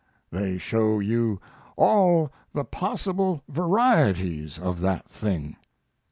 They show you all the possible varieties of that thing!